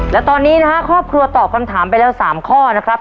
และตอนนี้นะฮะครอบครัวตอบคำถามไปแล้ว๓ข้อนะครับ